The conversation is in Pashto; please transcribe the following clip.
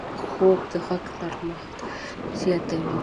خوب د غږ نرمښت زیاتوي